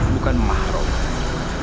dan belum resmi bercerai kan